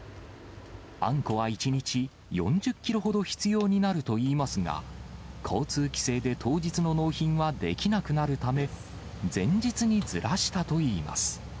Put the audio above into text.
あんこは１日４０キロほど必要になるといいますが、交通規制で当日の納品はできなくなるため、前日にずらしたといいます。